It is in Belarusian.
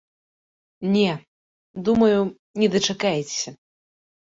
Не, думаю, не дачакаецеся.